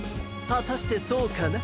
はたしてそうかな？